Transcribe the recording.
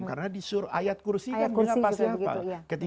karena di surah ayat kursi kan bisa pasrah ke depan